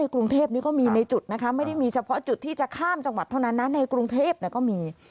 ในกรุงเทพไยก็มีจุดนะครับไม่ได้ที่จะจะข้ามสถานกรุงเทพไรเขามี